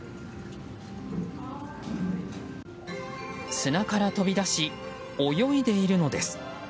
砂から飛び出し泳いでいるのです。